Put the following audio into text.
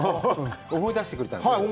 思い出してくれたんだ。